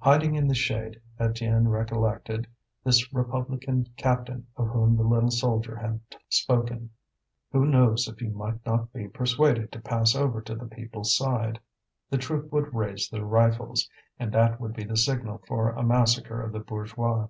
Hiding in the shade, Étienne recollected this republican captain of whom the little soldier had spoken. Who knows if he might not be persuaded to pass over to the people's side! The troop would raise their rifles, and that would be the signal for a massacre of the bourgeois.